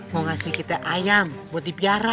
mau ngasih kita ayam buat dipiara